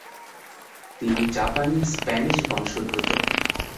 তিনি জাপানি-স্প্যানিশ বংশোদ্ভূত।